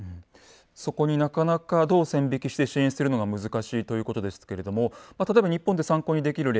そこになかなかどう線引きして支援するのが難しいということですけれども例えば日本で参考にできる例